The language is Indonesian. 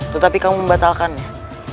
tetapi kamu membatalkannya